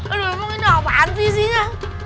aduh emang ini apaan visinya